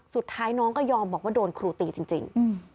สุดท้ายน้องก็ยอมบอกว่าโดนครูตีจริง